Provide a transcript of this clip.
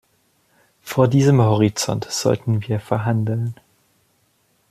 Vor diesem Horizont sollten wir verhandeln.